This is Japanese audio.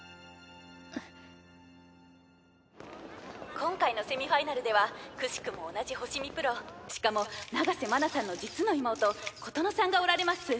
今回のセミファイナルではくしくも同しかも長瀬麻奈さんの実の妹琴乃さんがおられます。